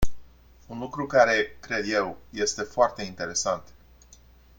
Un lucru care, cred eu, este foarte interesant.